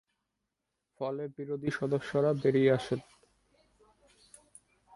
ফলে, বিরোধী সদস্যরা বেরিয়ে আসেন।